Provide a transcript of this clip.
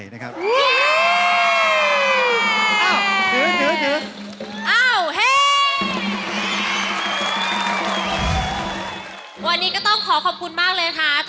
ยินยังมากรักเยมาก